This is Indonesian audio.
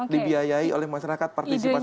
dibayai oleh masyarakat partisipasi masyarakat